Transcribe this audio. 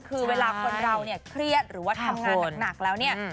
คือเวลาคนเราเนี่ยเครียดหรือว่าทำงานหนักแล้วเนี่ย